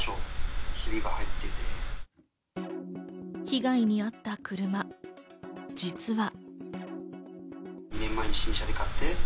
被害にあった車、実は。